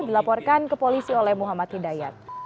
diberikan kepolisi oleh muhammad hidayat